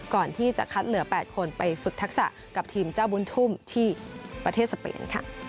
ก่อนที่จะคัดเหลือ๘คนไปฝึกทักษะกับทีมเจ้าบุญทุ่มที่ประเทศสเปน